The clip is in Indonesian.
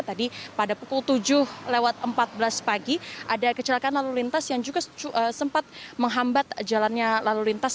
tadi pada pukul tujuh lewat empat belas pagi ada kecelakaan lalu lintas yang juga sempat menghambat jalannya lalu lintas